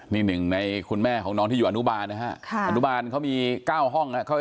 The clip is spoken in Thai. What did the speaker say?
นี่หนึ่งในคุณแม่ของน้องที่อยู่อนุบาลนะฮะอนุบาลเขามี๙ห้องนะครับ